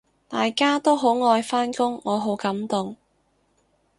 大家都好愛返工，我好感動